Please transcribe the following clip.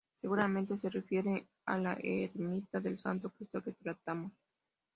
Seguramente se refiera a la ermita del Santo Cristo que tratamos.